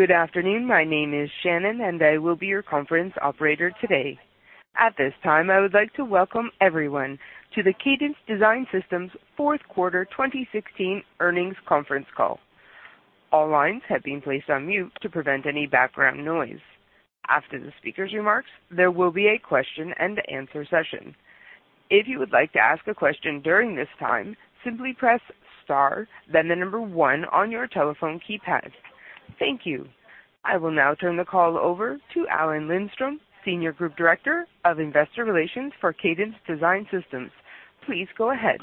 Good afternoon. My name is Shannon, and I will be your conference operator today. At this time, I would like to welcome everyone to the Cadence Design Systems fourth quarter 2016 earnings conference call. All lines have been placed on mute to prevent any background noise. After the speaker's remarks, there will be a question and answer session. If you would like to ask a question during this time, simply press star then 1 on your telephone keypad. Thank you. I will now turn the call over to Alan Lindstrom, Senior Group Director of Investor Relations for Cadence Design Systems. Please go ahead.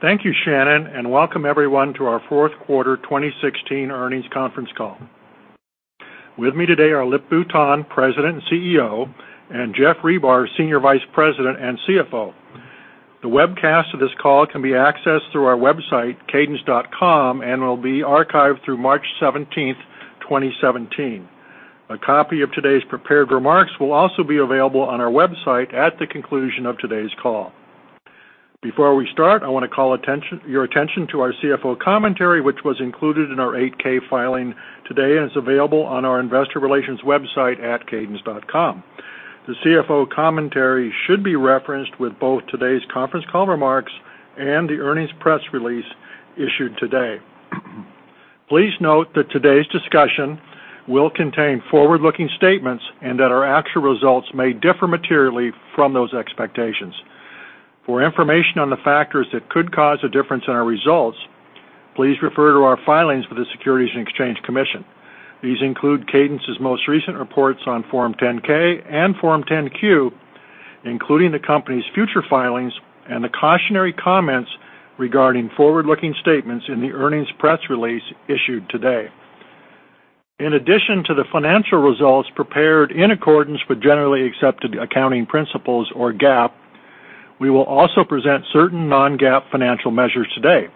Thank you, Shannon, welcome everyone to our fourth quarter 2016 earnings conference call. With me today are Lip-Bu Tan, President and CEO, Geoff Ribar, Senior Vice President and CFO. The webcast of this call can be accessed through our website, cadence.com, will be archived through March 17th, 2017. A copy of today's prepared remarks will also be available on our website at the conclusion of today's call. Before we start, I want to call your attention to our CFO commentary, which was included in our Form 8-K filing today and is available on our investor relations website at cadence.com. The CFO commentary should be referenced with both today's conference call remarks and the earnings press release issued today. Please note that today's discussion will contain forward-looking statements that our actual results may differ materially from those expectations. For information on the factors that could cause a difference in our results, please refer to our filings with the Securities and Exchange Commission. These include Cadence's most recent reports on Form 10-K and Form 10-Q, including the company's future filings and the cautionary comments regarding forward-looking statements in the earnings press release issued today. In addition to the financial results prepared in accordance with generally accepted accounting principles or GAAP, we will also present certain non-GAAP financial measures today.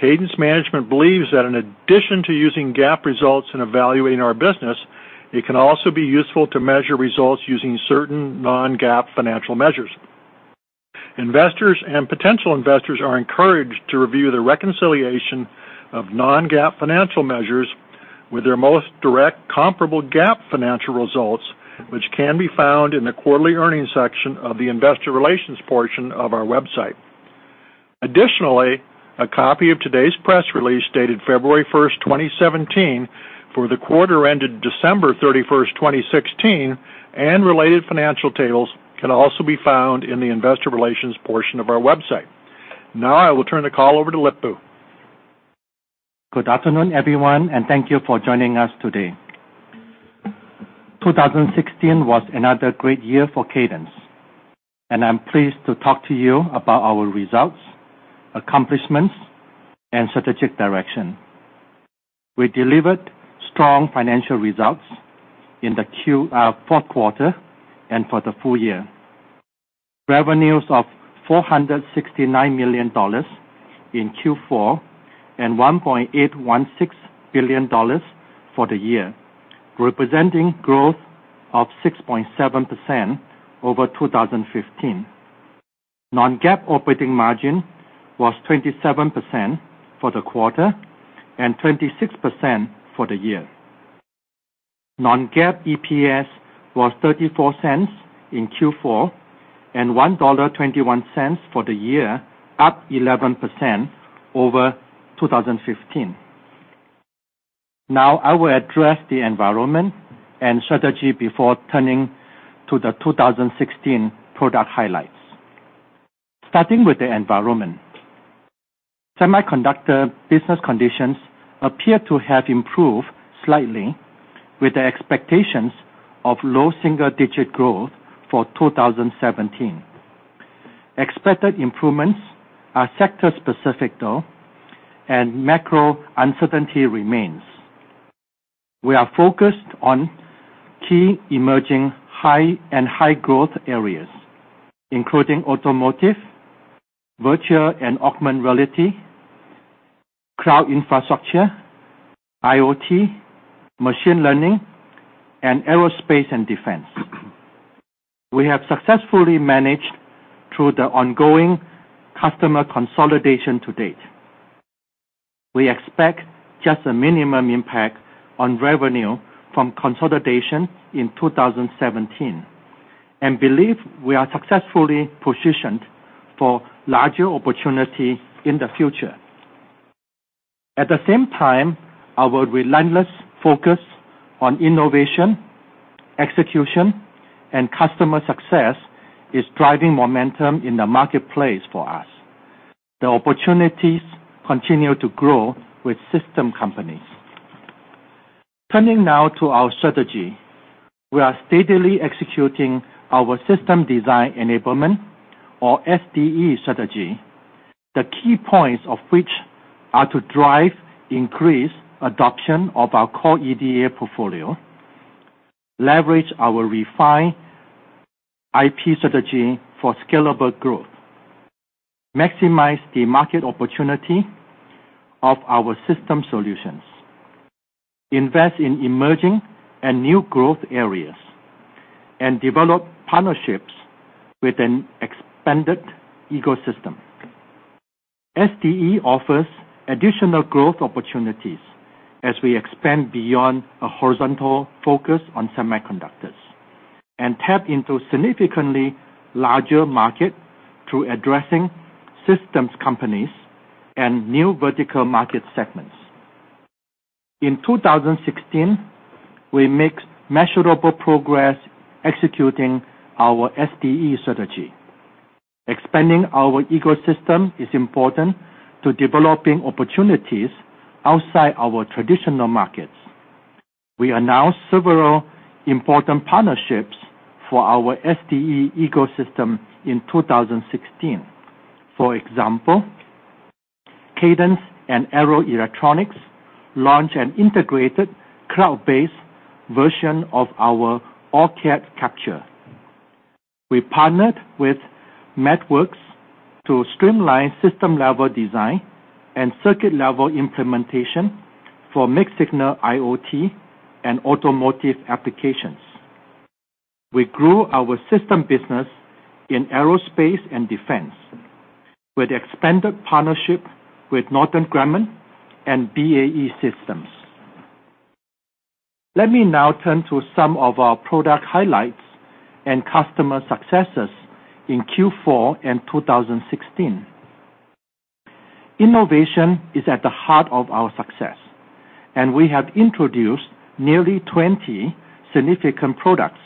Cadence management believes that in addition to using GAAP results in evaluating our business, it can also be useful to measure results using certain non-GAAP financial measures. Investors and potential investors are encouraged to review the reconciliation of non-GAAP financial measures with their most direct comparable GAAP financial results, which can be found in the quarterly earnings section of the investor relations portion of our website. Additionally, a copy of today's press release, dated February 1st, 2017, for the quarter ended December 31st, 2016, related financial tables can also be found in the investor relations portion of our website. Now I will turn the call over to Lip-Bu. Good afternoon, everyone. Thank you for joining us today. 2016 was another great year for Cadence. I'm pleased to talk to you about our results, accomplishments, and strategic direction. We delivered strong financial results in the fourth quarter and for the full year. Revenues of $469 million in Q4 and $1.816 billion for the year, representing growth of 6.7% over 2015. Non-GAAP operating margin was 27% for the quarter and 26% for the year. Non-GAAP EPS was $0.34 in Q4 and $1.21 for the year, up 11% over 2015. I will address the environment and strategy before turning to the 2016 product highlights. Starting with the environment. Semiconductor business conditions appear to have improved slightly with the expectations of low single-digit growth for 2017. Expected improvements are sector specific, though. Macro uncertainty remains. We are focused on key emerging and high-growth areas, including automotive, virtual and augmented reality, cloud infrastructure, IoT, machine learning, and aerospace and defense. We have successfully managed through the ongoing customer consolidation to date. We expect just a minimum impact on revenue from consolidation in 2017 and believe we are successfully positioned for larger opportunity in the future. At the same time, our relentless focus on innovation, execution, and customer success is driving momentum in the marketplace for us. The opportunities continue to grow with system companies. Turning to our strategy. We are steadily executing our system design enablement or SDE strategy, the key points of which are to drive increased adoption of our core EDA portfolio, leverage our refined IP strategy for scalable growth, maximize the market opportunity of our system solutions, invest in emerging and new growth areas, and develop partnerships with an expanded ecosystem. SDE offers additional growth opportunities as we expand beyond a horizontal focus on semiconductors and tap into significantly larger market through addressing systems companies and new vertical market segments. In 2016, we make measurable progress executing our SDE strategy. Expanding our ecosystem is important to developing opportunities outside our traditional markets. We announced several important partnerships for our SDE ecosystem in 2016. For example, Cadence and Arrow Electronics launch an integrated cloud-based version of our OrCAD Capture. We partnered with MathWorks to streamline system-level design and circuit-level implementation for mixed-signal IoT and automotive applications. We grew our system business in aerospace and defense with expanded partnership with Northrop Grumman and BAE Systems. Let me turn to some of our product highlights and customer successes in Q4 and 2016. Innovation is at the heart of our success. We have introduced nearly 20 significant products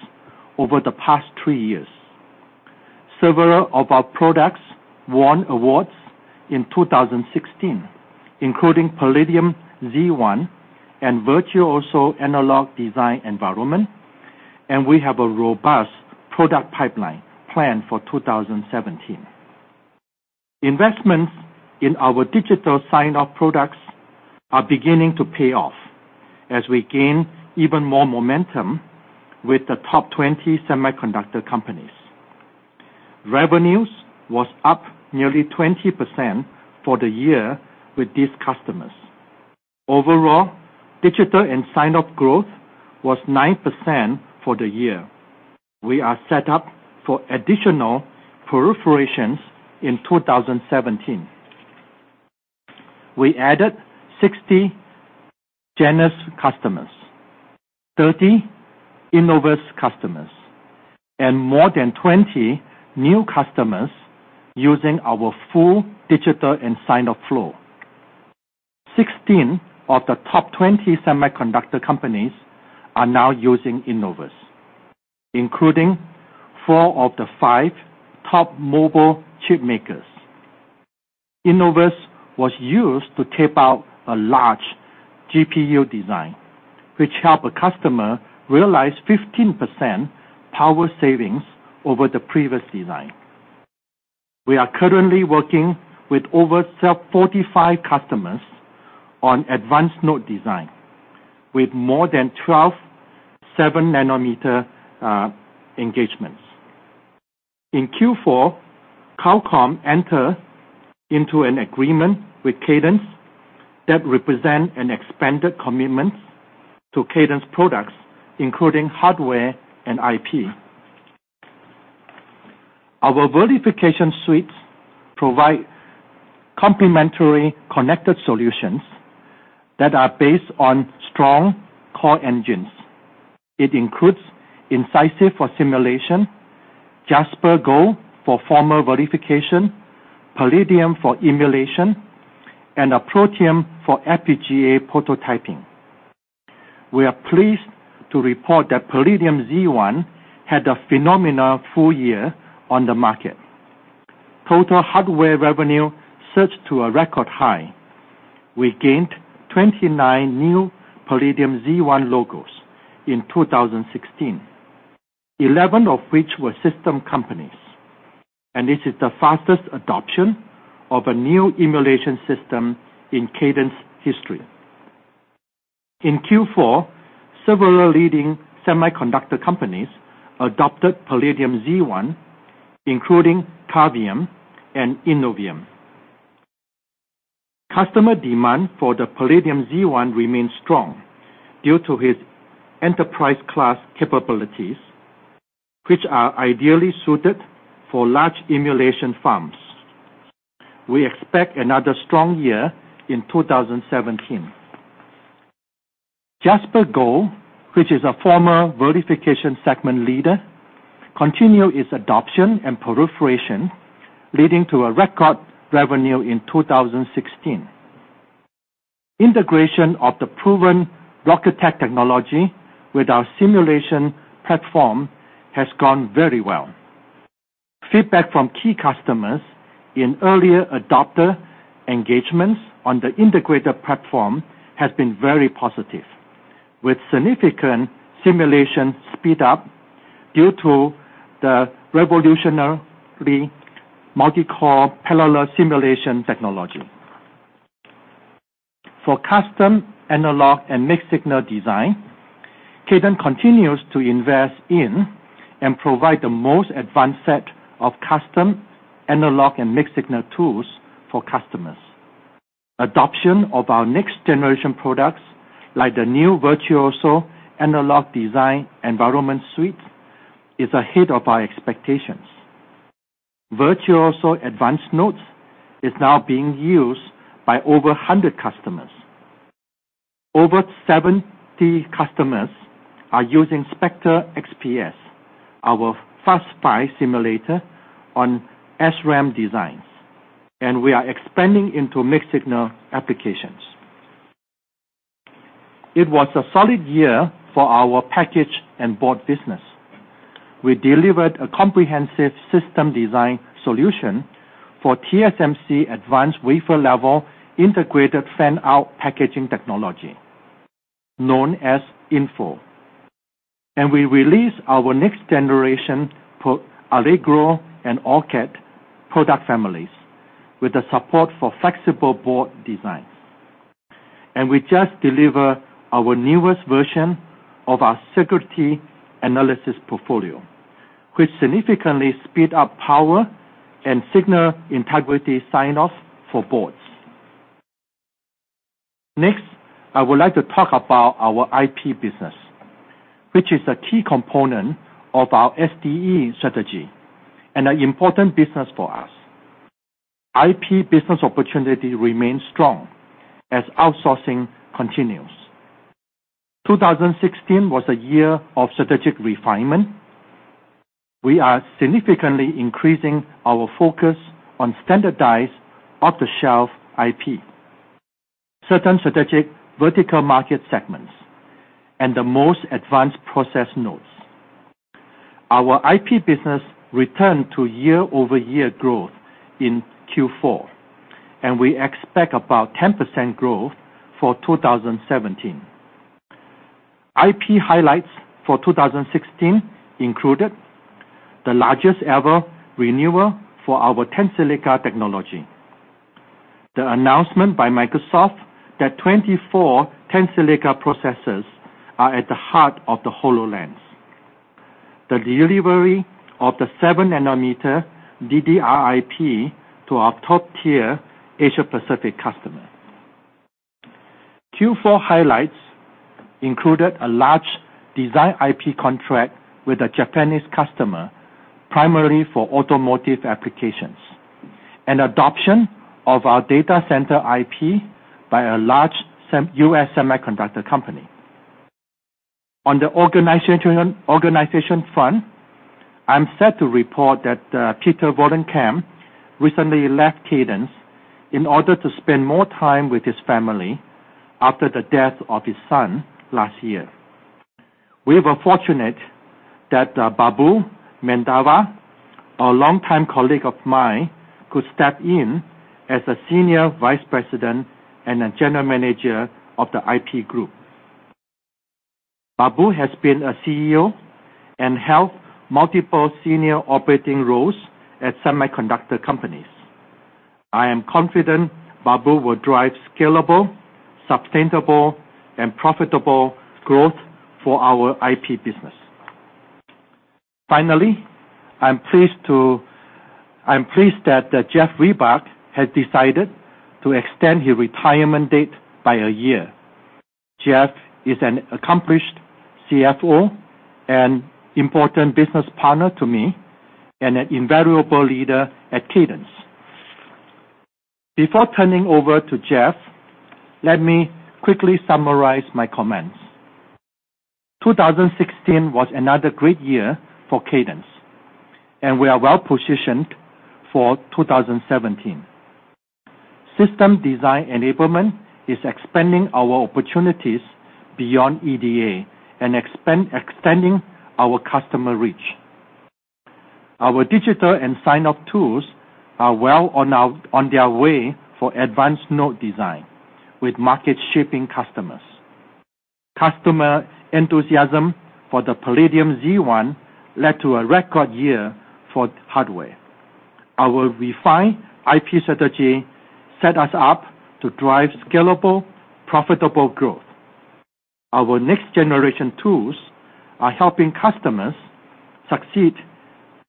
over the past three years. Several of our products won awards in 2016, including Palladium Z1 and Virtuoso Analog Design Environment. We have a robust product pipeline plan for 2017. Investments in our digital sign-off products are beginning to pay off as we gain even more momentum with the top 20 semiconductor companies. Revenues was up nearly 20% for the year with these customers. Overall, digital and sign-off growth was 9% for the year. We are set up for additional penetrations in 2017. We added 60 Genus customers, 30 Innovus customers, and more than 20 new customers using our full digital and sign-off flow. Sixteen of the top 20 semiconductor companies are now using Innovus, including four of the five top mobile chip makers. Innovus was used to tape out a large GPU design, which helped a customer realize 15% power savings over the previous design. We are currently working with over 45 customers on advanced node design, with more than 12 7-nanometer engagements. In Q4, Qualcomm entered into an agreement with Cadence that represents an expanded commitment to Cadence products, including hardware and IP. Our verification suites provide complementary connected solutions that are based on strong core engines. It includes Incisive for simulation, JasperGold for formal verification, Palladium for emulation, and a Protium for FPGA prototyping. We are pleased to report that Palladium Z1 had a phenomenal full year on the market. Total hardware revenue surged to a record high. We gained 29 new Palladium Z1 logos in 2016, 11 of which were system companies, and this is the fastest adoption of a new emulation system in Cadence history. In Q4, several leading semiconductor companies adopted Palladium Z1, including Cavium and Innovium. Customer demand for the Palladium Z1 remains strong due to its enterprise-class capabilities, which are ideally suited for large emulation farms. We expect another strong year in 2017. JasperGold, which is a formal verification segment leader, continues its adoption and proliferation, leading to a record revenue in 2016. Integration of the proven Rocketick technology with our simulation platform has gone very well. Feedback from key customers in earlier adopter engagements on the integrated platform has been very positive, with significant simulation speed-up due to the revolutionary multi-core parallel simulation technology. For custom analog and mixed-signal design, Cadence continues to invest in and provide the most advanced set of custom analog and mixed-signal tools for customers. Adoption of our next-generation products, like the new Virtuoso Analog Design Environment suite, is ahead of our expectations. Virtuoso Advanced-Node Platform is now being used by over 100 customers. Over 70 customers are using Spectre XPS, our FastSPICE simulator on SRAM designs, and we are expanding into mixed-signal applications. It was a solid year for our package and board business. We delivered a comprehensive system design solution for TSMC advanced wafer level Integrated Fan-Out packaging technology, known as InFO. We released our next generation for Allegro and OrCAD product families with the support for flexible board designs. We just delivered our newest version of our Sigrity analysis portfolio, which significantly speeds up power and signal integrity sign-off for boards. Next, I would like to talk about our IP business, which is a key component of our SDE strategy and an important business for us. IP business opportunity remains strong as outsourcing continues. 2016 was a year of strategic refinement. We are significantly increasing our focus on standardized off-the-shelf IP, certain strategic vertical market segments, and the most advanced process nodes. Our IP business returned to year-over-year growth in Q4, and we expect about 10% growth for 2017. IP highlights for 2016 included the largest ever renewal for our Tensilica technology, the announcement by Microsoft that 24 Tensilica processors are at the heart of the HoloLens, the delivery of the 7-nanometer DDR IP to our top-tier Asia Pacific customer. Q4 highlights included a large design IP contract with a Japanese customer, primarily for automotive applications, and adoption of our data center IP by a large U.S. semiconductor company. On the organization front, I'm sad to report that Peter Vollenkemp recently left Cadence in order to spend more time with his family after the death of his son last year. We were fortunate that Babu Mandava, a long-time colleague of mine, could step in as a Senior Vice President and a General Manager of the IP group. Babu has been a CEO and held multiple senior operating roles at semiconductor companies. I am confident Babu will drive scalable, sustainable, and profitable growth for our IP business. Finally, I'm pleased that Geoff Ribar has decided to extend his retirement date by a year. Geoff is an accomplished CFO and important business partner to me, and an invaluable leader at Cadence. Before turning over to Geoff, let me quickly summarize my comments. 2016 was another great year for Cadence, and we are well-positioned for 2017. System design enablement is expanding our opportunities beyond EDA and extending our customer reach. Our digital and sign-off tools are well on their way for advanced node design with market-shaping customers. Customer enthusiasm for the Palladium Z1 led to a record year for hardware. Our refined IP strategy set us up to drive scalable, profitable growth. Our next-generation tools are helping customers succeed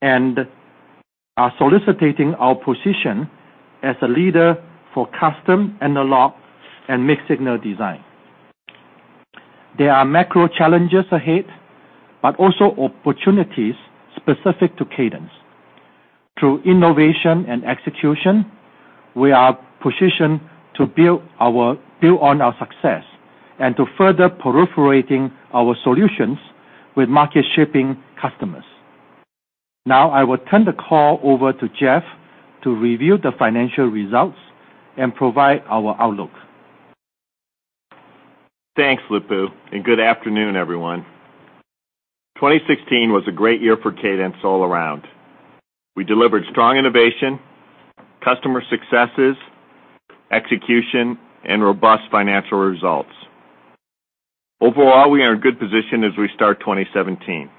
and are solidifying our position as a leader for custom analog and mixed-signal design. There are macro challenges ahead, but also opportunities specific to Cadence. Through innovation and execution, we are positioned to build on our success and to further proliferating our solutions with market-shaping customers. I will turn the call over to Geoff to review the financial results and provide our outlook. Thanks, Lip-Bu, and good afternoon, everyone. 2016 was a great year for Cadence all around. We delivered strong innovation, customer successes, execution, and robust financial results. Overall, we are in a good position as we start 2017.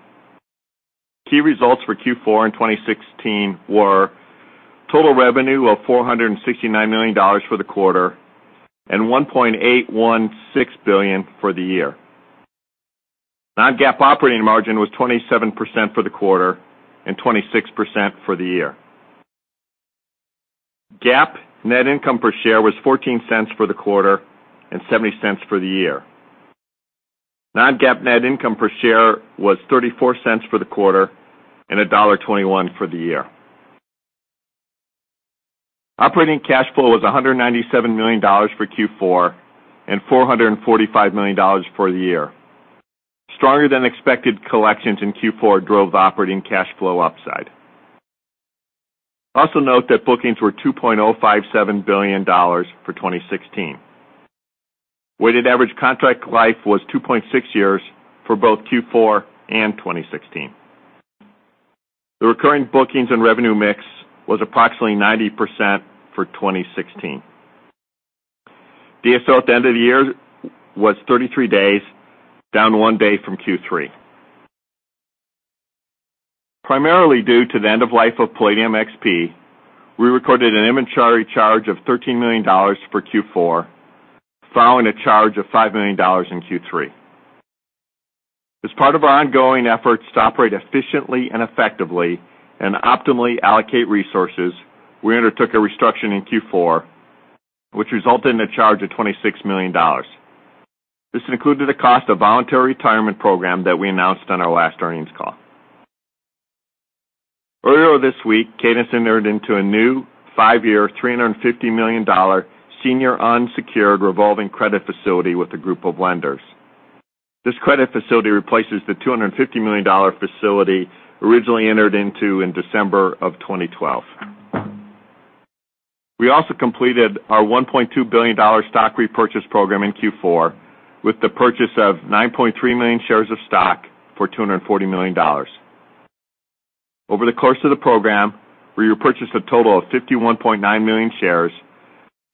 Key results for Q4 in 2016 were total revenue of $469 million for the quarter and $1.816 billion for the year. Non-GAAP operating margin was 27% for the quarter and 26% for the year. GAAP net income per share was $0.14 for the quarter and $0.70 for the year. Non-GAAP net income per share was $0.34 for the quarter and $1.21 for the year. Operating cash flow was $197 million for Q4 and $445 million for the year. Stronger than expected collections in Q4 drove operating cash flow upside. Note that bookings were $2.057 billion for 2016. Weighted average contract life was 2.6 years for both Q4 and 2016. The recurring bookings and revenue mix was approximately 90% for 2016. DSO at the end of the year was 33 days, down one day from Q3. Primarily due to the end of life of Palladium XP, we recorded an inventory charge of $13 million for Q4, following a charge of $5 million in Q3. As part of our ongoing efforts to operate efficiently and effectively and optimally allocate resources, we undertook a restructure in Q4, which resulted in a charge of $26 million. This included the cost of voluntary retirement program that we announced on our last earnings call. Earlier this week, Cadence entered into a new five-year, $350 million senior unsecured revolving credit facility with a group of lenders. This credit facility replaces the $250 million facility originally entered into in December of 2012. We also completed our $1.2 billion stock repurchase program in Q4 with the purchase of 9.3 million shares of stock for $240 million. Over the course of the program, we repurchased a total of 51.9 million shares,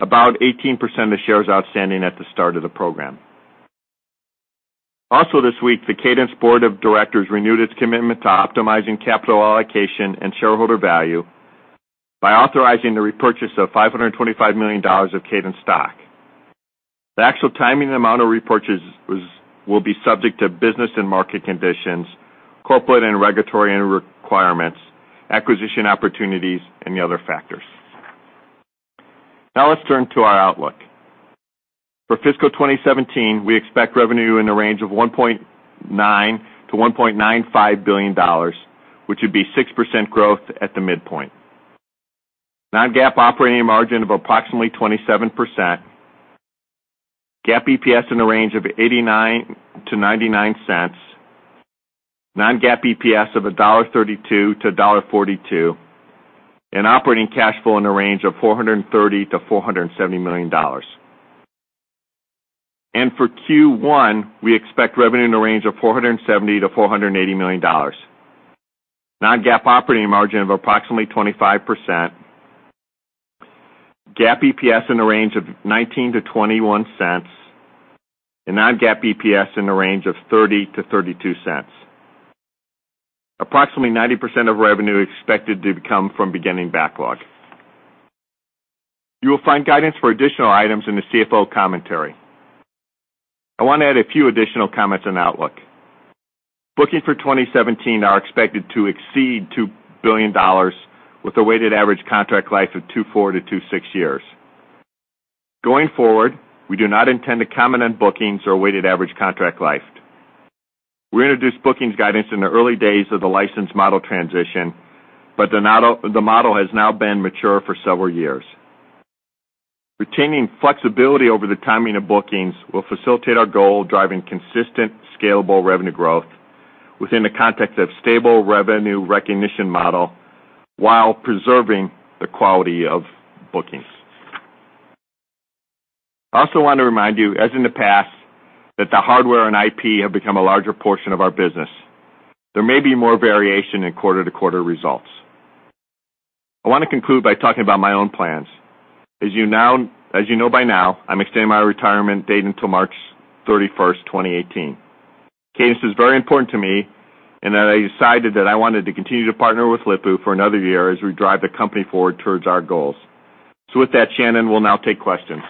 about 18% of shares outstanding at the start of the program. Also this week, the Cadence Board of Directors renewed its commitment to optimizing capital allocation and shareholder value by authorizing the repurchase of $525 million of Cadence stock. The actual timing and amount of repurchases will be subject to business and market conditions, corporate and regulatory requirements, acquisition opportunities, and the other factors. Now let's turn to our outlook. For fiscal 2017, we expect revenue in the range of $1.9 billion to $1.95 billion, which would be 6% growth at the midpoint. Non-GAAP operating margin of approximately 27%, GAAP EPS in the range of $0.89 to $0.99, non-GAAP EPS of $1.32 to $1.42, and operating cash flow in the range of $430 million to $470 million. For Q1, we expect revenue in the range of $470 million to $480 million, non-GAAP operating margin of approximately 25%, GAAP EPS in the range of $0.19 to $0.21, and non-GAAP EPS in the range of $0.30 to $0.32. Approximately 90% of revenue is expected to come from beginning backlog. You will find guidance for additional items in the CFO commentary. I want to add a few additional comments on outlook. Bookings for 2017 are expected to exceed $2 billion, with a weighted average contract life of 2.4 to 2.6 years. Going forward, we do not intend to comment on bookings or weighted average contract life. We introduced bookings guidance in the early days of the license model transition, but the model has now been mature for several years. Retaining flexibility over the timing of bookings will facilitate our goal of driving consistent, scalable revenue growth within the context of stable revenue recognition model while preserving the quality of bookings. I also want to remind you, as in the past, that the hardware and IP have become a larger portion of our business. There may be more variation in quarter-to-quarter results. I want to conclude by talking about my own plans. As you know by now, I'm extending my retirement date until March 31, 2018. Cadence is very important to me, and I decided that I wanted to continue to partner with Lip-Bu for another year as we drive the company forward towards our goals. With that, Shannon, we'll now take questions.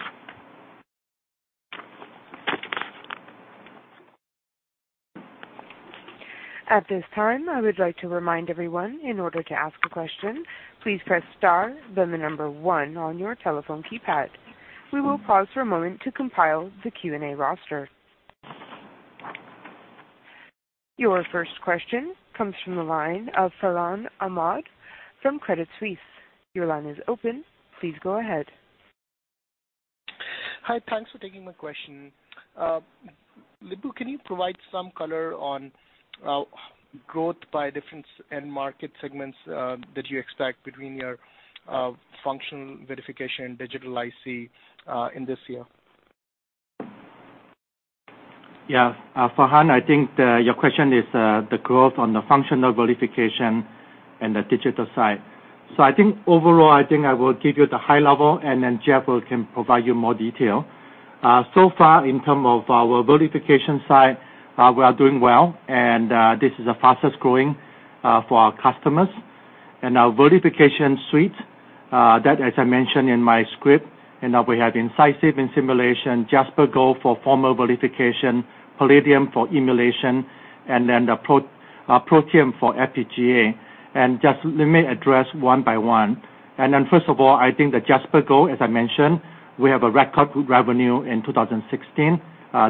At this time, I would like to remind everyone, in order to ask a question, please press star, then the number 1 on your telephone keypad. We will pause for a moment to compile the Q&A roster. Your first question comes from the line of Farhan Ahmad from Credit Suisse. Your line is open. Please go ahead. Hi. Thanks for taking my question. Lip-Bu, can you provide some color on growth by difference end market segments that you expect between your functional verification digital IC in this year? Yeah. Farhan, I think your question is the growth on the functional verification and the digital side. I think overall, I think I will give you the high level, then Geoff can provide you more detail. Far in term of our verification side, we are doing well, and this is the fastest-growing for our customers Our verification suite, that as I mentioned in my script, now we have Incisive in simulation, JasperGold for formal verification, Palladium for emulation, then the Protium for FPGA. Just let me address one by one. First of all, I think the JasperGold, as I mentioned, we have a record revenue in 2016.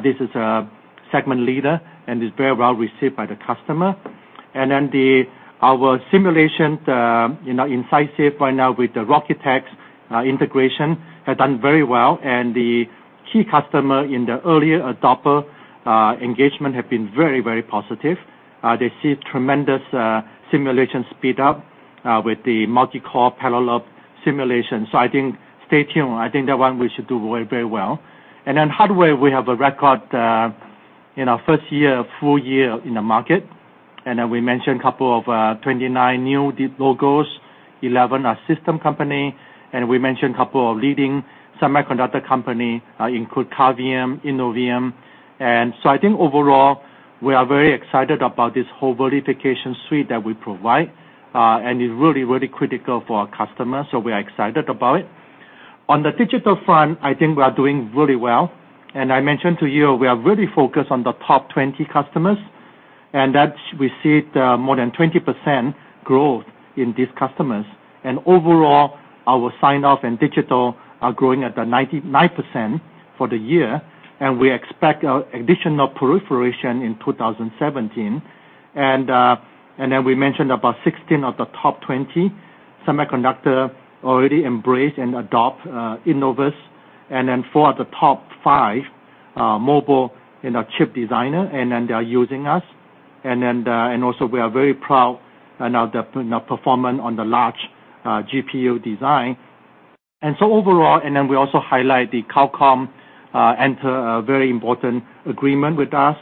This is a segment leader and is very well received by the customer. Our simulation, Incisive right now with the Rocketick's integration has done very well, and the key customer in the early adopter engagement have been very positive. They see tremendous simulation speed up with the multi-core parallel simulation. I think stay tuned. I think that one we should do very well. Hardware, we have a record in our first year, full year in the market. We mentioned couple of 29 new logos. 11 are system company. We mentioned couple of leading semiconductor company, include Cavium, Innovium. I think overall, we are very excited about this whole verification suite that we provide, and it's really critical for our customers, so we are excited about it. On the digital front, I think we are doing really well. I mentioned to you, we are really focused on the top 20 customers, and that we see the more than 20% growth in these customers. Overall, our sign-off and digital are growing at the 9% for the year, and we expect additional proliferation in 2017. We mentioned about 16 of the top 20 semiconductor already embrace and adopt Innovus. 4 of the top 5 mobile chip designer, then they are using us. Also we are very proud in our performance on the large GPU design. We also highlight the Qualcomm enter a very important agreement with us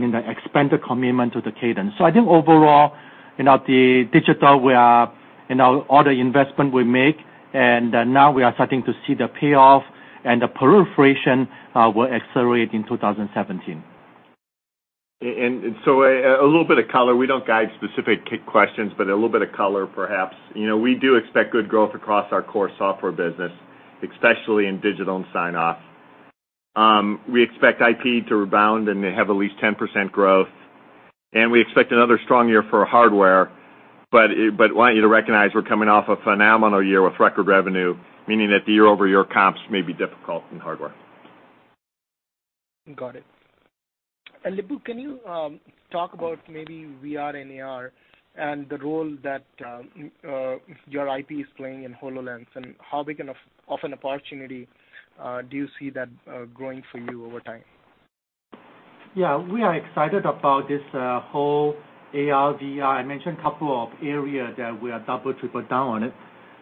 in the expanded commitment to the Cadence. I think overall, the digital, all the investment we make, and now we are starting to see the payoff, and the proliferation will accelerate in 2017. A little bit of color. We don't guide specific key questions, but a little bit of color perhaps. We do expect good growth across our core software business, especially in digital and sign-off. We expect IP to rebound and have at least 10% growth. We expect another strong year for hardware, but want you to recognize we're coming off a phenomenal year with record revenue, meaning that the year-over-year comps may be difficult in hardware. Got it. Lip-Bu, can you talk about maybe VR and AR and the role that your IP is playing in HoloLens and how big of an opportunity do you see that growing for you over time? Yeah. We are excited about this whole AR/VR. I mentioned couple of area that we are double, triple down on it.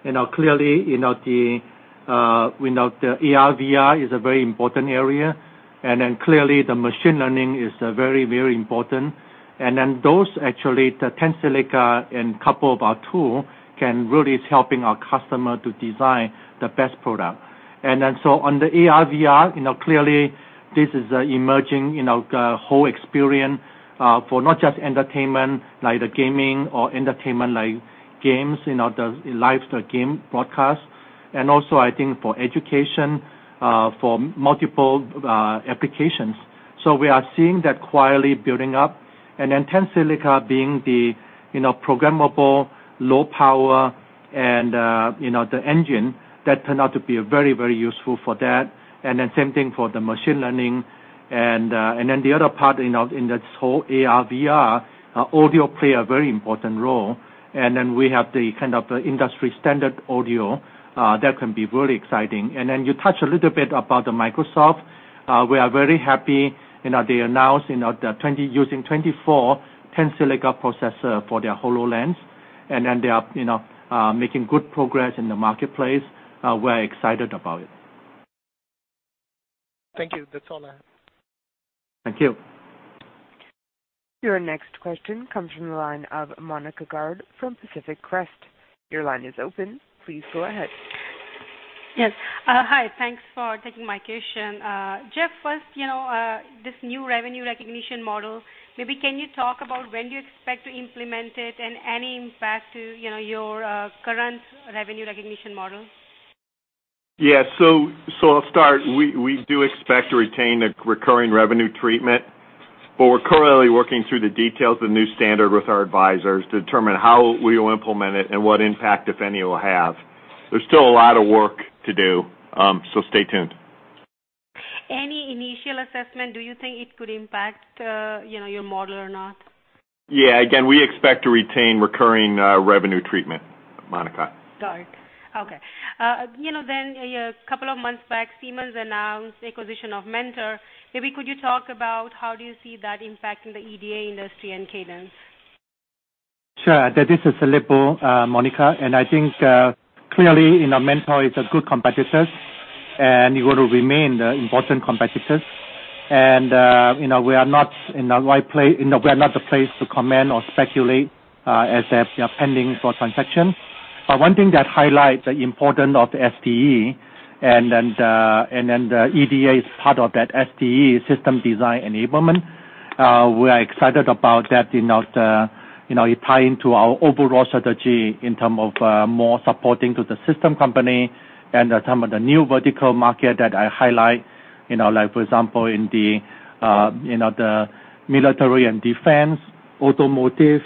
Now clearly, the AR/VR is a very important area. Then clearly the machine learning is very important. Then those actually, the Tensilica and couple of our tool can really is helping our customer to design the best product. Then so on the AR/VR, clearly this is emerging the whole experience, for not just entertainment, like the gaming or entertainment like games, the live game broadcast. Also I think for education, for multiple applications. We are seeing that quietly building up. Then Tensilica being the programmable low power and the engine, that turned out to be very useful for that. Then same thing for the machine learning. Then the other part in this whole AR/VR, audio play a very important role. Then we have the kind of industry-standard audio, that can be really exciting. Then you touch a little bit about the Microsoft. We are very happy they announced they are using 24 Tensilica processor for their HoloLens, and then they are making good progress in the marketplace. We're excited about it. Thank you. That's all I have. Thank you. Your next question comes from the line of Monika Garg from Pacific Crest. Your line is open. Please go ahead. Yes. Hi. Thanks for taking my question. Geoff, first, this new revenue recognition model. Maybe can you talk about when do you expect to implement it and any impact to your current revenue recognition model? Yeah. I'll start. We do expect to retain a recurring revenue treatment, but we're currently working through the details of the new standard with our advisors to determine how we will implement it and what impact, if any, it will have. There's still a lot of work to do, so stay tuned. Any initial assessment, do you think it could impact your model or not? Yeah, again, we expect to retain recurring revenue treatment, Monika. Got it. Okay. A couple of months back, Siemens announced acquisition of Mentor. Maybe could you talk about how do you see that impacting the EDA industry and Cadence? Sure. This is Lip-Bu, Monika. I think clearly Mentor is a good competitor and it will remain the important competitor. We are not the place to comment or speculate, as they are pending for transaction. One thing that highlights the importance of SDE and then the EDA is part of that SDE system design enablement. We are excited about that. It tie into our overall strategy in term of more supporting to the system company and some of the new vertical market that I highlight, like for example, in the military and defense, automotive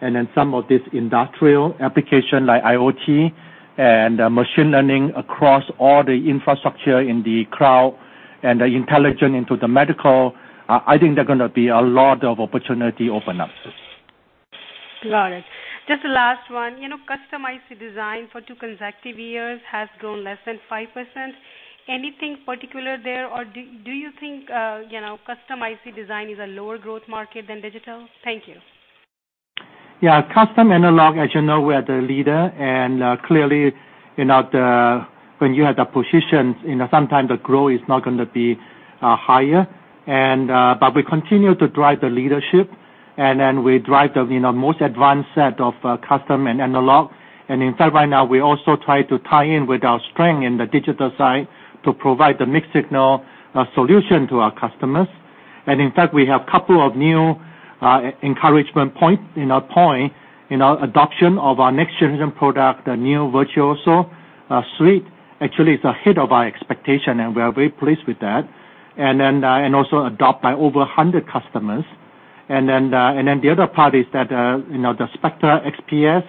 and then some of this industrial application like IoT and machine learning across all the infrastructure in the cloud and the intelligent into the medical. I think they're going to be a lot of opportunity open up. Got it. Just the last one. Customized design for two consecutive years has grown less than 5%. Anything particular there? Do you think customized design is a lower growth market than digital? Thank you. Yeah. Custom analog as you know we are the leader. Clearly, when you have the positions, sometimes the growth is not going to be higher. We continue to drive the leadership, and then we drive the most advanced set of custom and analog. In fact, right now we also try to tie in with our strength in the digital side to provide the mixed signal solution to our customers. In fact, we have couple of new encouragement point in our adoption of our next generation product, the new Virtuoso suite. Actually, it's ahead of our expectation, and we are very pleased with that. Also adopt by over 100 customers. The other part is that the Spectre XPS,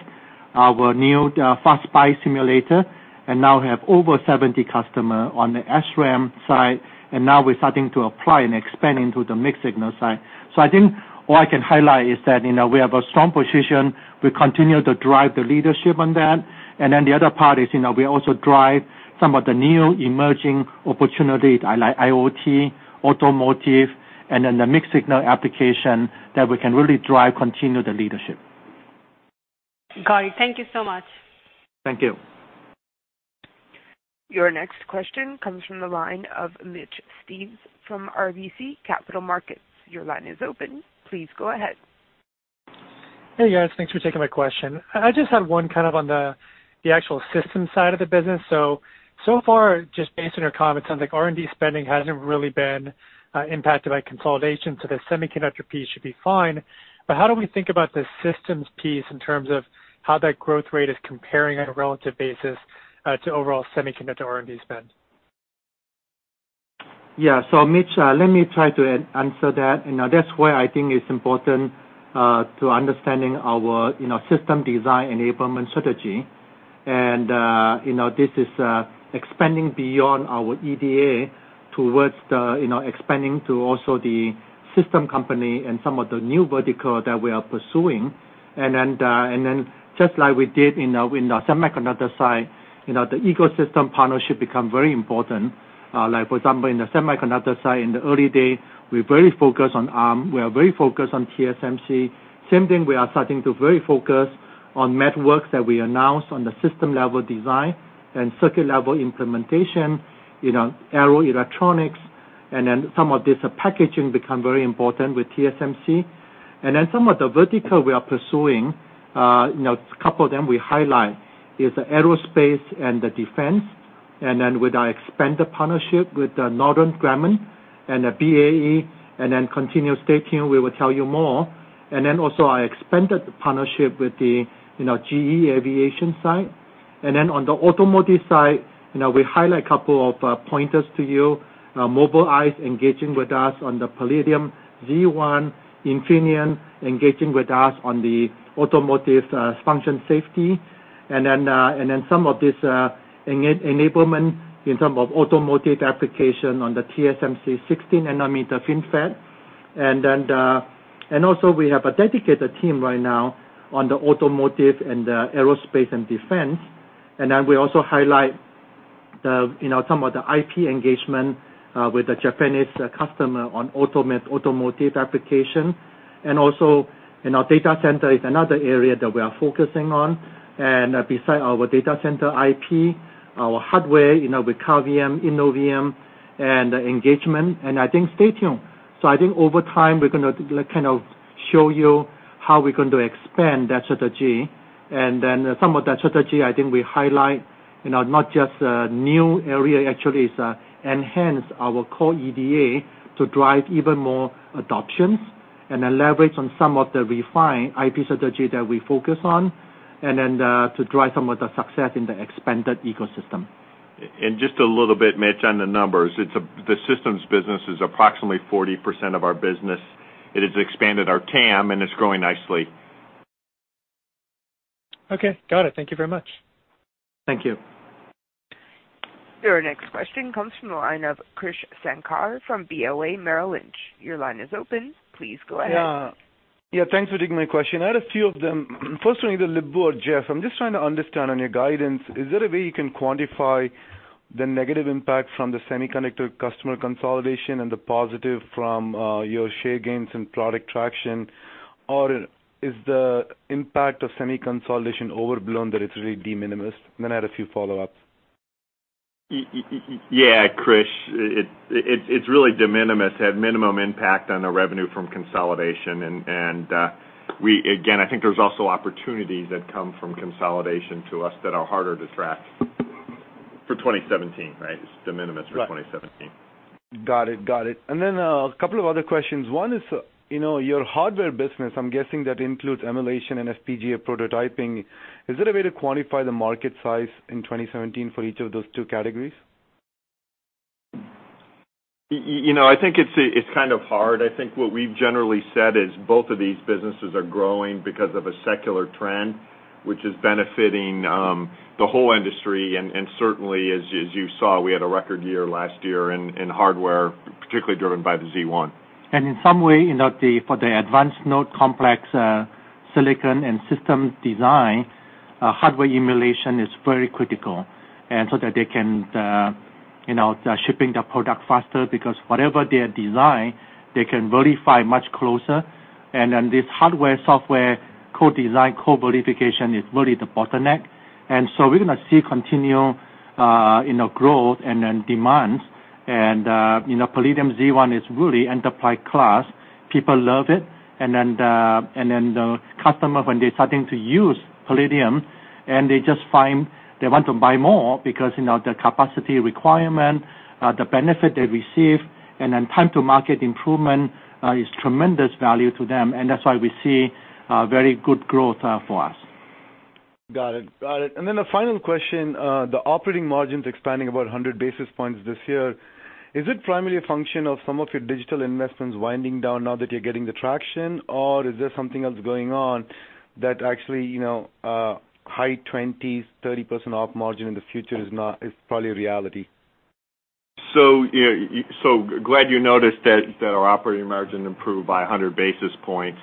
our new FastSPICE simulator. Now we have over 70 customer on the SRAM side. Now we're starting to apply and expand into the mixed signal side. I think all I can highlight is that, we have a strong position. We continue to drive the leadership on that. The other part is, we also drive some of the new emerging opportunities like IoT, automotive, and then the mixed signal application that we can really drive, continue the leadership. Got it. Thank you so much. Thank you. Your next question comes from the line of Mitch Steves from RBC Capital Markets. Your line is open. Please go ahead. Hey, guys. Thanks for taking my question. I just had one kind of on the actual systems side of the business. So far, just based on your comments, sounds like R&D spending hasn't really been impacted by consolidation, so the semiconductor piece should be fine. How do we think about the systems piece in terms of how that growth rate is comparing on a relative basis to overall semiconductor R&D spend? Yeah. Mitch, let me try to answer that. That is why I think it is important to understanding our system design enablement strategy. This is expanding beyond our EDA towards the expanding to also the system company and some of the new vertical that we are pursuing. Just like we did in the semiconductor side, the ecosystem partnership become very important. Like, for example, in the semiconductor side, in the early day, we are very focused on Arm, we are very focused on TSMC. Same thing, we are starting to very focus on networks that we announced on the system level design and circuit level implementation, Arrow Electronics, and then some of this packaging become very important with TSMC. Some of the vertical we are pursuing, couple of them we highlight is the aerospace and the defense. With our expanded partnership with the Northrop Grumman and the BAE Systems, continue stay tuned, we will tell you more. Also our expanded partnership with the GE Aviation side. On the automotive side, we highlight a couple of pointers to you. Mobileye engaging with us on the Palladium Z1, Infineon engaging with us on the automotive function safety. Some of this enablement in term of automotive application on the TSMC 16 nanometer FinFET. We have a dedicated team right now on the automotive and the aerospace and defense. We also highlight some of the IP engagement with the Japanese customer on automotive application. Data center is another area that we are focusing on. Beside our data center IP, our hardware, with Cavium, Innovium and the engagement. I think stay tuned. I think over time we are going to kind of show you how we are going to expand that strategy. Some of that strategy, I think we highlight, not just new area actually is enhance our core EDA to drive even more adoptions, leverage on some of the refined IP strategy that we focus on, to drive some of the success in the expanded ecosystem. Just a little bit, Mitch, on the numbers. The systems business is approximately 40% of our business. It has expanded our TAM, and it is growing nicely. Okay, got it. Thank you very much. Thank you. Your next question comes from the line of Krish Sankar from BofA Merrill Lynch. Your line is open. Please go ahead. Yeah. Thanks for taking my question. I had a few of them. First one either Lip-Bu or Geoff, I'm just trying to understand on your guidance, is there a way you can quantify the negative impact from the semiconductor customer consolidation and the positive from your share gains and product traction? Or is the impact of semi consolidation overblown that it's really de minimis? I had a few follow-ups. Yeah, Krish. It's really de minimis, had minimum impact on the revenue from consolidation. Again, I think there's also opportunities that come from consolidation to us that are harder to track for 2017, right? It's de minimis for 2017. Got it. A couple of other questions. One is, your hardware business, I'm guessing that includes emulation and FPGA prototyping. Is there a way to quantify the market size in 2017 for each of those two categories? I think it's kind of hard. I think what we've generally said is both of these businesses are growing because of a secular trend, which is benefiting the whole industry. Certainly as you saw, we had a record year last year in hardware, particularly driven by the Z1. In some way, for the advanced node complex silicon and systems design, hardware emulation is very critical. That they can shipping the product faster because whatever they design, they can verify much closer. This hardware-software co-design, co-verification is really the bottleneck. We're going to see continued growth. Palladium Z1 is really enterprise class. People love it. The customer, when they're starting to use Palladium, and they just find they want to buy more because the capacity requirement, the benefit they receive, and then time to market improvement is tremendous value to them, and that's why we see very good growth for us. Got it. The final question, the operating margins expanding about 100 basis points this year. Is it primarily a function of some of your digital investments winding down now that you're getting the traction, or is there something else going on that actually, high 20s, 30% op margin in the future is probably a reality? Glad you noticed that our operating margin improved by 100 basis points.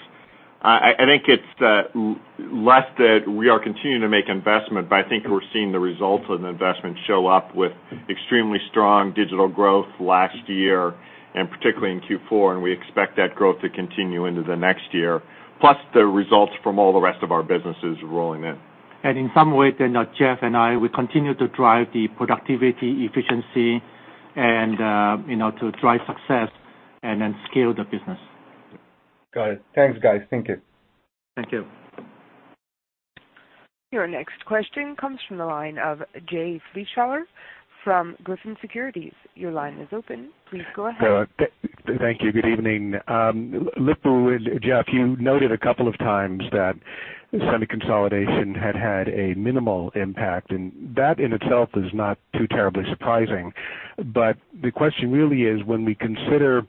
I think it's less that we are continuing to make investment, but I think we're seeing the results of the investment show up with extremely strong digital growth last year, particularly in Q4, and we expect that growth to continue into the next year. Plus, the results from all the rest of our businesses rolling in. Geoff and I, we continue to drive the productivity, efficiency, and to drive success and then scale the business. Got it. Thanks, guys. Thank you. Thank you. Your next question comes from the line of Jay Vleeschhouwer from Griffin Securities. Your line is open. Please go ahead. Thank you. Good evening. Lip-Bu and Geoff, you noted a couple of times that semi consolidation had had a minimal impact, and that in itself is not too terribly surprising. The question really is when we consider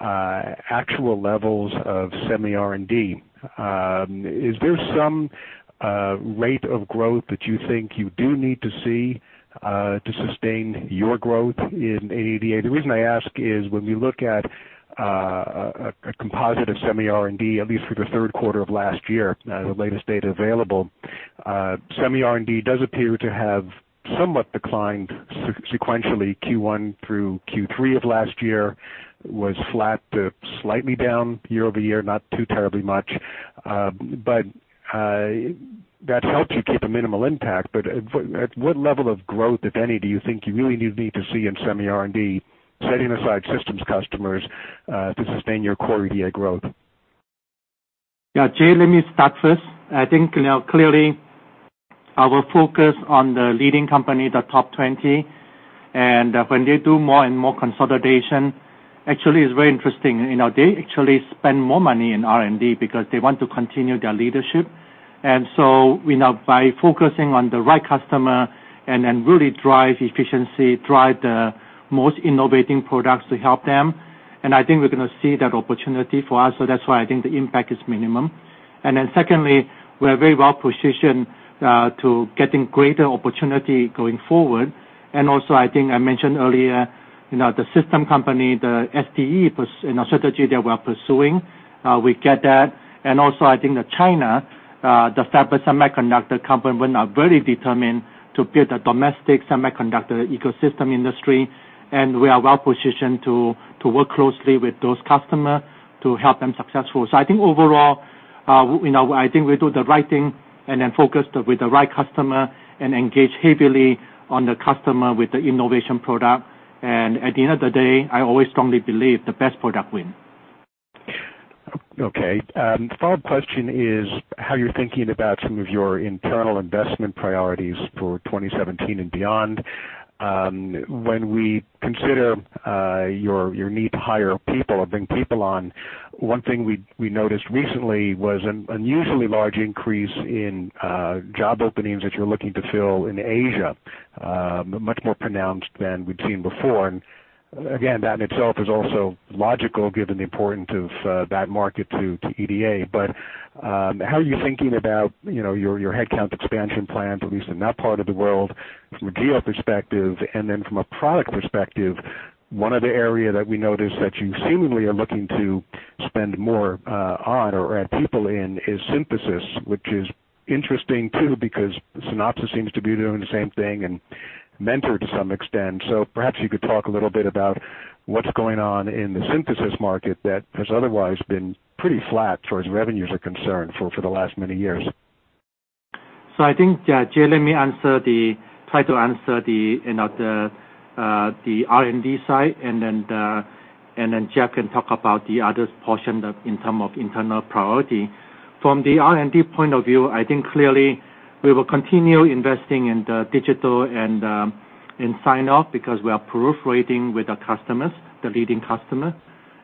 actual levels of semi R&D, is there some rate of growth that you think you do need to see to sustain your growth in EDA? The reason I ask is when we look at a composite of semi R&D, at least for the third quarter of last year, the latest data available, semi R&D does appear to have somewhat declined sequentially. Q1 through Q3 of last year was flat to slightly down year-over-year, not too terribly much. That helped you keep a minimal impact. At what level of growth, if any, do you think you really need to see in semi R&D, setting aside systems customers, to sustain your core EDA growth? Yeah. Jay, let me start first. I think now clearly our focus on the leading company, the top 20, when they do more and more consolidation, actually it's very interesting. They actually spend more money in R&D because they want to continue their leadership. By focusing on the right customer and really drive efficiency, drive the most innovating products to help them, I think we're going to see that opportunity for us. That's why I think the impact is minimum. Secondly, we are very well-positioned to getting greater opportunity going forward. Also, I think I mentioned earlier, the system company, the SDE strategy that we're pursuing, we get that. Also, I think that China, the fabless semiconductor company, when are very determined to build a domestic semiconductor ecosystem industry, and we are well-positioned to work closely with those customer to help them successful. I think overall, I think we do the right thing focus with the right customer and engage heavily on the customer with the innovation product. At the end of the day, I always strongly believe the best product win. Okay. Follow-up question is how you're thinking about some of your internal investment priorities for 2017 and beyond. When we consider your need to hire people or bring people on, one thing we noticed recently was an unusually large increase in job openings that you're looking to fill in Asia, much more pronounced than we've seen before. Again, that in itself is also logical given the importance of that market to EDA. How are you thinking about your headcount expansion plans, at least in that part of the world from a geo perspective and then from a product perspective? One other area that we noticed that you seemingly are looking to spend more on or add people in is synthesis, which is interesting too, because Synopsys seems to be doing the same thing and Mentor to some extent. Perhaps you could talk a little bit about what's going on in the synthesis market that has otherwise been pretty flat as far as revenues are concerned for the last many years. Jay, let me try to answer the R&D side, then Geoff can talk about the other portion in term of internal priority. From the R&D point of view, I think clearly we will continue investing in the digital and in sign-off because we are proliferating with the leading customers.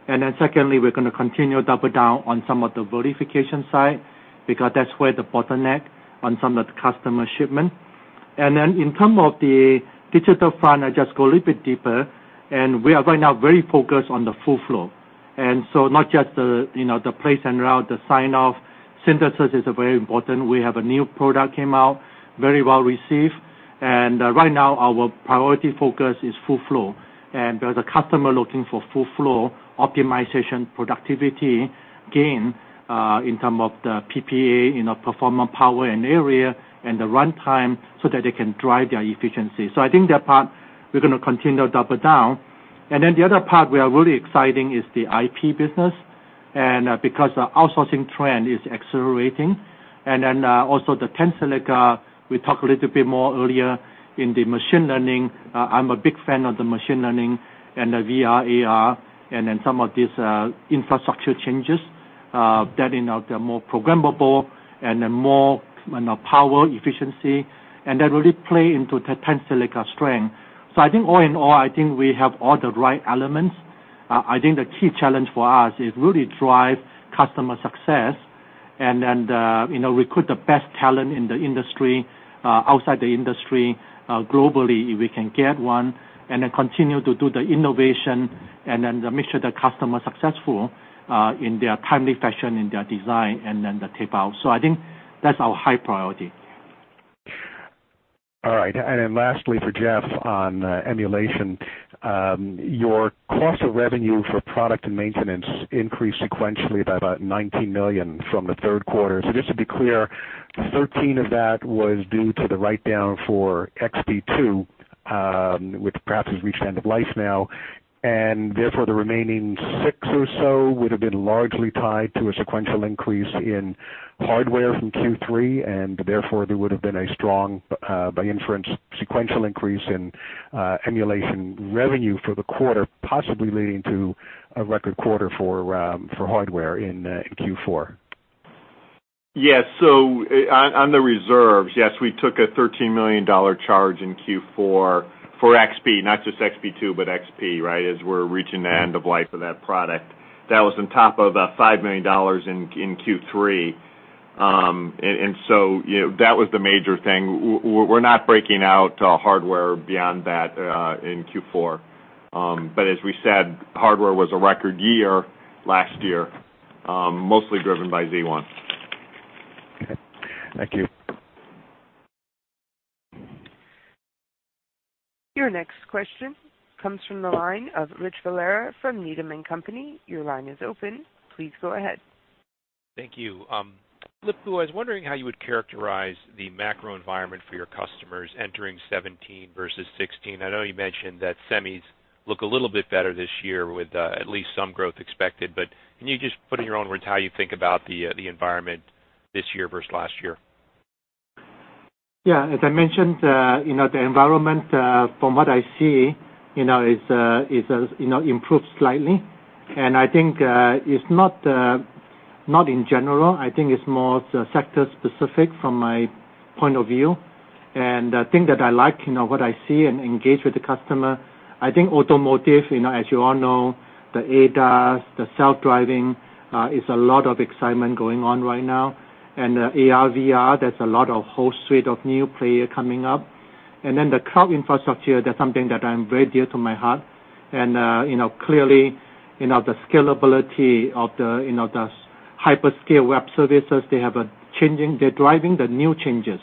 Secondly, we're going to continue double down on some of the verification side because that's where the bottleneck on some of the customer shipment. In term of the digital front, I just go a little bit deeper and we are right now very focused on the full flow. Not just the place and route, the sign-off, synthesis is very important. We have a new product came out, very well received, and right now our priority focus is full flow. There's a customer looking for full flow optimization productivity gain in term of the PPA, perform on power and area and the runtime so that they can drive their efficiency. I think that part we're going to continue to double down. The other part we are really exciting is the IP business, because the outsourcing trend is accelerating. Also the Tensilica, we talked a little bit more earlier in the machine learning. I'm a big fan of the machine learning and the VR/AR and then some of these infrastructure changes, that they're more programmable and they're more power efficiency, and that really play into the Tensilica strength. I think all in all, I think we have all the right elements. I think the key challenge for us is really drive customer success recruit the best talent in the industry, outside the industry, globally, if we can get one, continue to do the innovation make sure the customer successful, in their timely fashion, in their design the tape out. I think that's our high priority. All right. Lastly for Geoff on emulation. Your cost of revenue for product and maintenance increased sequentially by about $19 million from the third quarter. Just to be clear, $13 of that was due to the write-down for XP2, which perhaps has reached end of life now, therefore the remaining $6 or so would've been largely tied to a sequential increase in hardware from Q3, therefore there would've been a strong, by inference, sequential increase in emulation revenue for the quarter, possibly leading to a record quarter for hardware in Q4. Yes. On the reserves, yes, we took a $13 million charge in Q4 for XP, not just XP2, but XP, right? As we're reaching the end of life of that product. That was on top of a $5 million in Q3. That was the major thing. We're not breaking out hardware beyond that in Q4. As we said, hardware was a record year last year, mostly driven by Z1. Okay. Thank you. Your next question comes from the line of Richard Valera from Needham & Company. Your line is open. Please go ahead. Thank you. Lip-Bu, I was wondering how you would characterize the macro environment for your customers entering 2017 versus 2016. I know you mentioned that semis look a little bit better this year with at least some growth expected, can you just put in your own words how you think about the environment this year versus last year? Yeah. As I mentioned, the environment, from what I see, is improved slightly. I think it's not in general. I think it's more sector specific from my point of view. The thing that I like, what I see and engage with the customer, I think automotive, as you all know, the ADAS, the self-driving, is a lot of excitement going on right now. The AR/VR, there's a lot of whole suite of new player coming up. The cloud infrastructure, that's something that I'm very dear to my heart. Clearly, the scalability of the hyperscale web services, they're driving the new changes.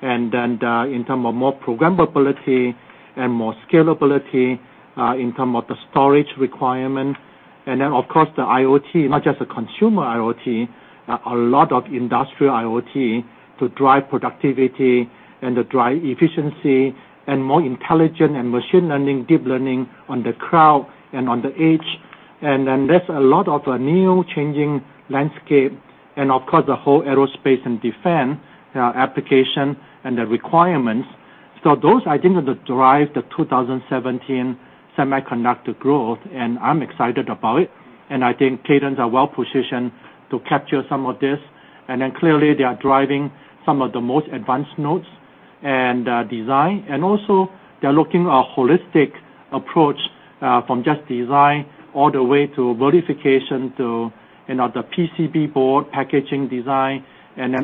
In term of more programmability and more scalability, in term of the storage requirement. Of course the IoT, not just the consumer IoT, a lot of industrial IoT to drive productivity and to drive efficiency and more intelligent and machine learning, deep learning on the cloud and on the edge. There's a lot of a new changing landscape and of course the whole aerospace and defense application and the requirements. Those I think are going to drive the 2017 semiconductor growth. I'm excited about it. I think Cadence are well-positioned to capture some of this. Clearly they are driving some of the most advanced nodes and design. Also they're looking a holistic approach, from just design all the way to verification, to the PCB board packaging design,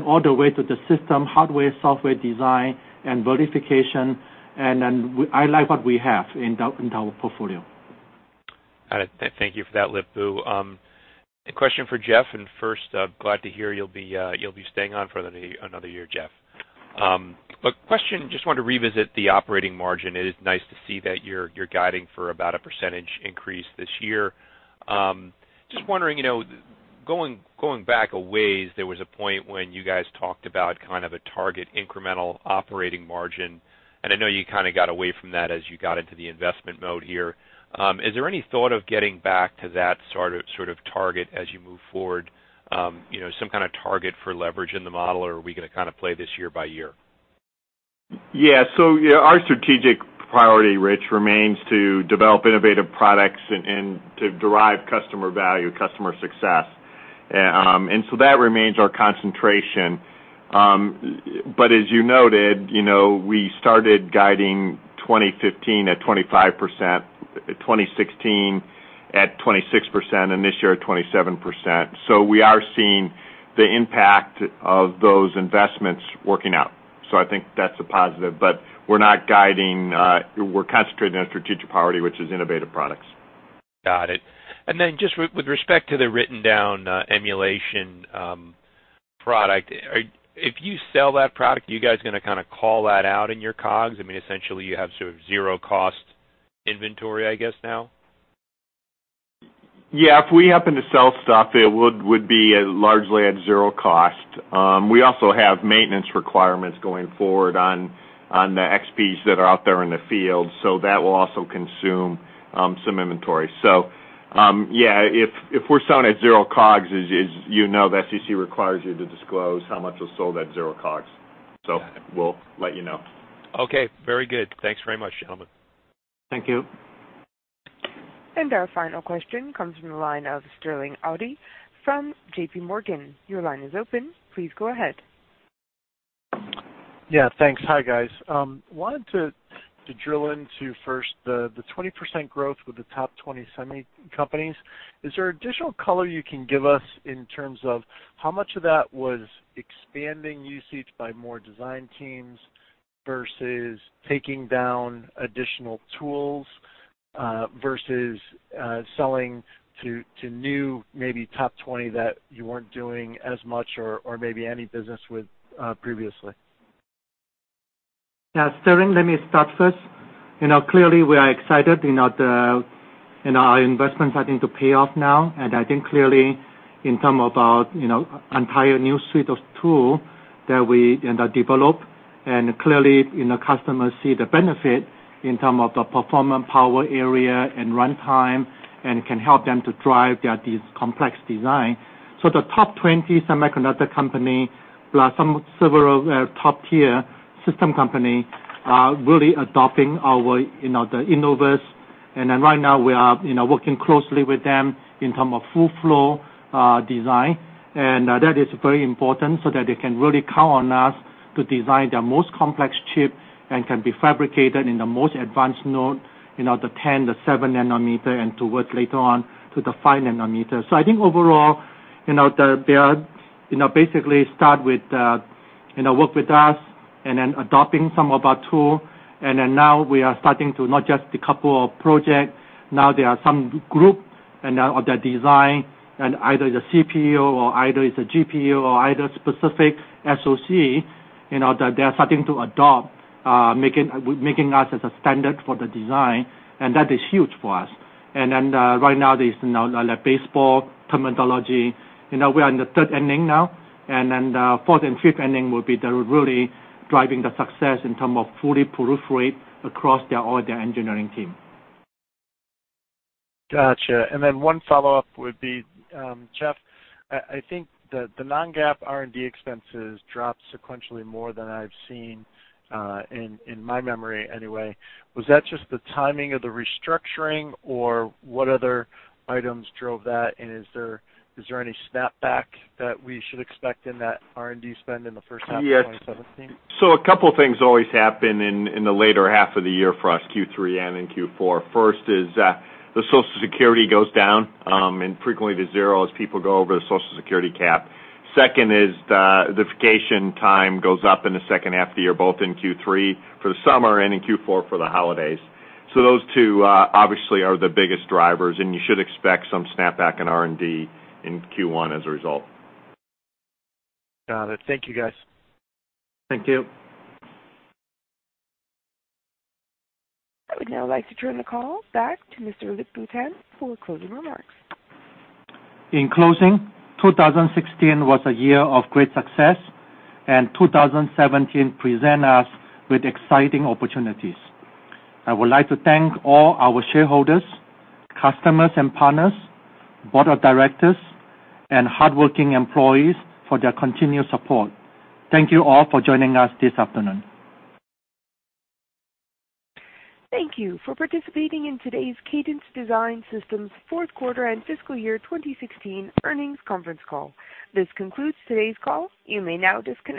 all the way to the system hardware, software design and verification. I like what we have in our portfolio. All right. Thank you for that, Lip-Bu. A question for Geoff. First, glad to hear you'll be staying on for another year, Geoff. Question, just wanted to revisit the operating margin. It is nice to see that you're guiding for about a percentage increase this year. Just wondering, going back a ways, there was a point when you guys talked about kind of a target incremental operating margin. I know you kind of got away from that as you got into the investment mode here. Is there any thought of getting back to that sort of target as you move forward? Some kind of target for leverage in the model, or are we going to kind of play this year by year? Yeah. Our strategic priority, Rich, remains to develop innovative products and to derive customer value, customer success. That remains our concentration. As you noted, we started guiding 2015 at 25%, 2016 at 26%, and this year at 27%. We are seeing the impact of those investments working out. I think that's a positive. We're concentrating on a strategic priority, which is innovative products. Got it. Just with respect to the written-down emulation product, if you sell that product, are you guys going to call that out in your COGS? I mean, essentially you have sort of zero cost inventory, I guess, now? Yeah, if we happen to sell stock, it would be largely at zero cost. We also have maintenance requirements going forward on the XPs that are out there in the field. That will also consume some inventory. If we're selling at zero COGS, as you know, the SEC requires you to disclose how much was sold at zero COGS. We'll let you know. Okay, very good. Thanks very much, gentlemen. Thank you. Our final question comes from the line of Sterling Auty from J.P. Morgan. Your line is open. Please go ahead. Yeah, thanks. Hi, guys. I wanted to drill into first the 20% growth with the top 20 semi companies. Is there additional color you can give us in terms of how much of that was expanding usage by more design teams versus taking down additional tools, versus selling to new, maybe top 20 that you weren't doing as much or maybe any business with previously? Yeah. Sterling, let me start first. Clearly, we are excited in our investments starting to pay off now. I think clearly in terms of our entire new suite of tools that we develop, and clearly customers see the benefit in terms of the performance, power area, and runtime, and it can help them to drive these complex design. The top 20 semiconductor companies, plus several top-tier system companies are really adopting our Innovus. Right now we are working closely with them in terms of full flow design. That is very important so that they can really count on us to design their most complex chip and can be fabricated in the most advanced node, the 10, the 7 nanometer, and towards later on to the 5 nanometer. I think overall, they basically start with work with us and then adopting some of our tools. Now we are starting to not just a couple of projects. Now there are some group of the design and either is a CPU or either is a GPU or either specific SOC, that they are starting to adopt, making us as a standard for the design. That is huge for us. Right now, there is baseball terminology. We are in the third inning now, and then the fourth and fifth inning will be really driving the success in terms of fully proliferate across all their engineering teams. Got you. One follow-up would be, Geoff, I think the non-GAAP R&D expenses dropped sequentially more than I've seen, in my memory anyway. Was that just the timing of the restructuring, or what other items drove that? Is there any snapback that we should expect in that R&D spend in the first half of 2017? A couple things always happen in the later half of the year for us, Q3 and in Q4. First is, the Social Security goes down, and frequently to zero as people go over the Social Security cap. Second is the vacation time goes up in the second half of the year, both in Q3 for the summer and in Q4 for the holidays. Those two, obviously, are the biggest drivers, and you should expect some snapback in R&D in Q1 as a result. Got it. Thank you, guys. Thank you. I would now like to turn the call back to Mr. Lip-Bu Tan for closing remarks. In closing, 2016 was a year of great success, and 2017 present us with exciting opportunities. I would like to thank all our shareholders, customers and partners, board of directors, and hardworking employees for their continued support. Thank you all for joining us this afternoon. Thank you for participating in today's Cadence Design Systems fourth quarter and fiscal year 2016 earnings conference call. This concludes today's call. You may now disconnect.